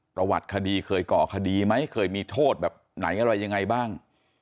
ประวัติคดีเคยก่อคดีไหมเคยมีโทษแบบไหนอะไรยังไงบ้าง